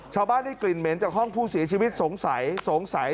ชาวบ้านได้กลิ่นเหม็นจากห้องผู้เสียชีวิตสงสัย